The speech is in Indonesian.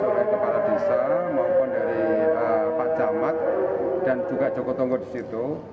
baik kepala desa maupun dari pak camat dan juga joko tonggo di situ